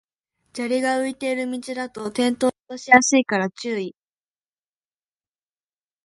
砂利が浮いてる道だと転倒しやすいから注意